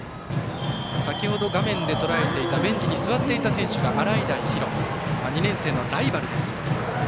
先ほど画面でとらえていたベンチに座っていた選手が洗平比呂、２年生のライバルです。